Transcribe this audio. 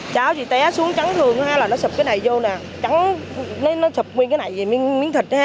cháu chị té xuống trắng thường ha là nó sụp cái này vô nè trắng nó sụp nguyên cái này miếng thịt ha